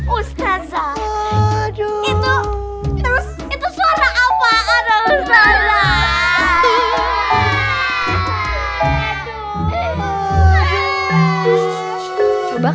ustazah itu suara apaan ustazah